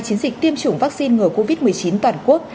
chiến dịch tiêm chủng vaccine ngừa covid một mươi chín toàn quốc